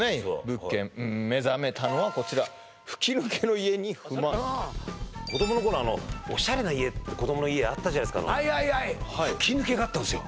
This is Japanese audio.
物件目覚めたのはこちら子供の頃オシャレな家子供の家あったじゃないですかはいはいはい吹き抜けがあったんですよ